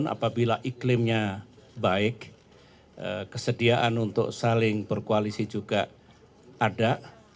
apabila iklimnya baik kesediaan untuk saling berkoalisi juga ada